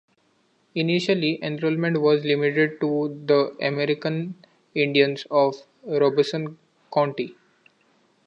Initially enrollment was limited to the American Indians of Robeson County.